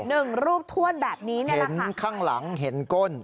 หนึ่งรูปถ้วนแบบนี้เนี่ยเห็นข้างหลังเห็นก้น